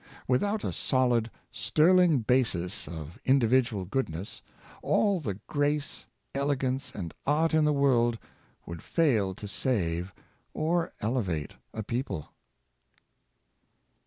Without a solid, sterling basis of individual goodness, all the grace, elegance, and art in the world would fail to save or elevate a people.